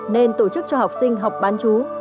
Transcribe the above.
nên tổ chức cho học sinh học bán chú